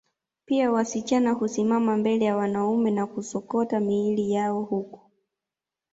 Pia wasichana husimama mbele ya wanaume na kusokota miili yao huku